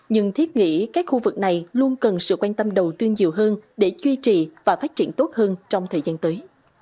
nhưng thiết nghĩ các khu vực này luôn cần sự quan tâm đầu tư nhiều hơn để duy trì và phát triển tốt hơn trong thời gian tới